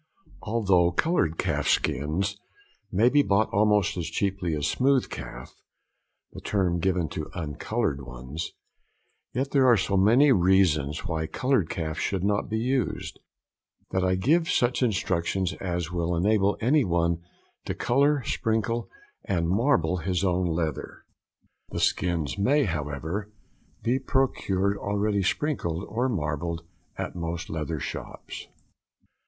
Although coloured calf skins may be bought almost as cheaply as smooth calf (the term given to uncoloured ones), yet there are so many reasons why coloured calf should not be used, that I give such instructions as will enable any one to colour, sprinkle, and marble his own leather. The skins may, however, be procured already sprinkled or marbled at most leather shops.